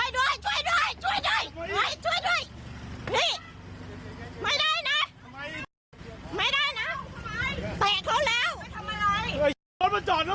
ดูนี่ตั๋มูกเค้าแตกเลย